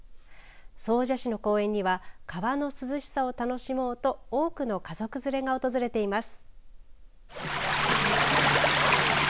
総社市の公園には川の涼しさを楽しもうと多くの家族連れが訪れています。